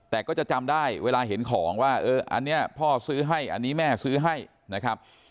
แต่ก็จะจำได้เวลาเห็นของว่าอันนี้พ่อซื้อให้อันนี้แม่ซื้อให้นะครับ